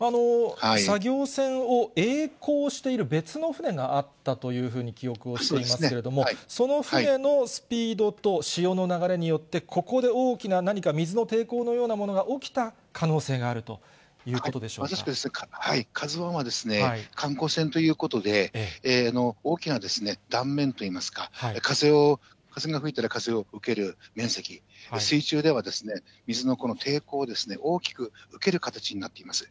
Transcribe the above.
作業船をえい航している別の船があったというふうに記憶をしていますけれども、その船のスピードと潮の流れによって、ここで大きな何か水の抵抗のようなものが起きた可能性があるといまさしく、ＫＡＺＵＩは観光船ということで、大きな断面といいますか、風が吹いたら、風を受ける面積、水中では、水の抵抗を大きく受ける形になっています。